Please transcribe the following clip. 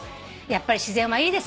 「やっぱり自然はいいですね」